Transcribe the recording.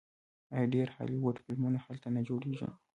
آیا ډیر هالیوډ فلمونه هلته نه جوړیږي؟